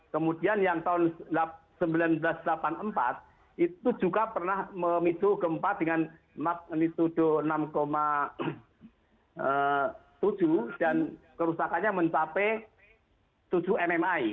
kemudian yang tahun seribu sembilan ratus delapan puluh empat itu juga pernah memicu gempa dengan magnitudo enam tujuh dan kerusakannya mencapai tujuh mmi